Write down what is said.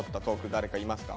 誰かいますか？